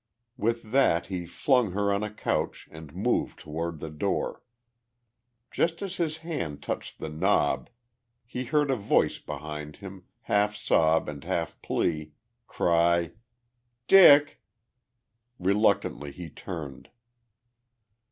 With that he flung her on a couch and moved toward the door. Just as his hand touched the knob he heard a voice behind him, half sob and half plea, cry, "Dick!" Reluctantly he turned.